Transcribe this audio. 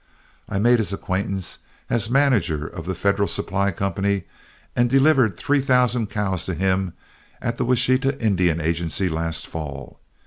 I made his acquaintance as manager of The Federal Supply Company, and delivered three thousand cows to him at the Washita Indian Agency last fall.